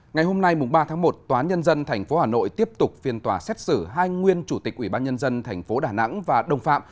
ngày hôm nay ba tháng một tòa nhân dân tp hà nội tiếp tục phiên tòa xét xử hai nguyên chủ tịch ủy ban nhân dân tp đà nẵng và đồng phạm